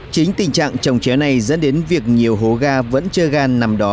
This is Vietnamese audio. chính tình trạng trồng ché này dẫn đến việc nhiều hố ga vẫn chưa gan nằm đó